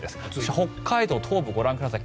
北海道の東部ご覧ください。